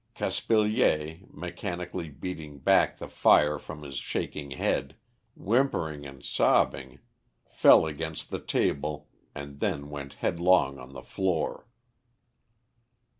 Caspilier, mechanically beating back the fire from his shaking head, whimpering and sobbing, fell against the table, and then went headlong on the floor.